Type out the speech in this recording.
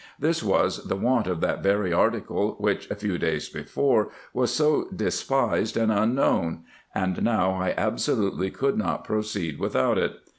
This was the want of that very article which, a few days before, was so despised and unknown ; and now I absolutely could not proceed without it.